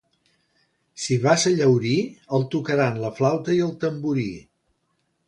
Si vas a Llaurí, el tocaran la flauta i el tamborí.